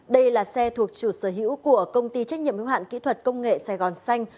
đây là xe thuộc chủ sở hữu của công ty trách nhiệm hữu hạn kỹ thuật công nghệ sài gòn xanh